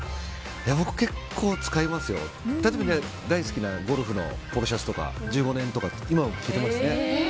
僕、結構使いますよ。大好きなゴルフのポロシャツとか１５年とか今も着ていますね。